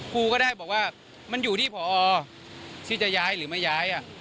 ครูก็ได้บอกว่ามันอยู่ที่พอที่จะย้ายหรือไม่ย้าย